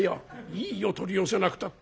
「いいよ取り寄せなくたって。